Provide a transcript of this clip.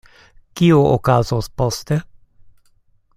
Kio okazos poste?